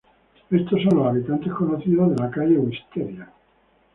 Estos son los habitantes conocidos de la Calle Wisteria.